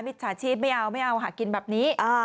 จฉาชีพไม่เอาไม่เอาหากินแบบนี้